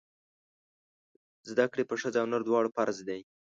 زده کړې په ښځه او نر دواړو فرض دی!